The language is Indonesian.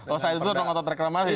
oh saat itu mau ngotot reklamasi